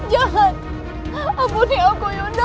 jangan ampuni aku yunda